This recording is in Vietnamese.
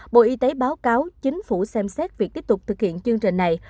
bộ y tế báo cáo chính phủ xem xét việc tiếp tục thực hiện chương trình này